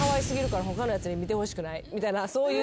みたいなそういう。